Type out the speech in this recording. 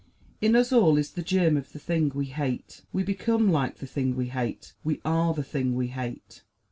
In us all is the germ of the thing we hate; we become like the thing we hate; we are the thing we hate.